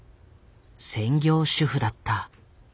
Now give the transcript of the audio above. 専業主婦だった。